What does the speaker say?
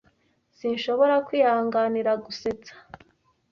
Sinshobora kwihanganira gusetsa.